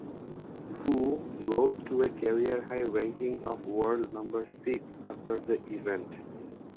Fu rose to a career-high ranking of world number six after the event.